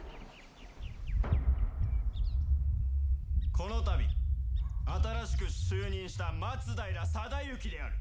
このたび新しく就任した松平定行である。